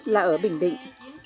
là ở bình định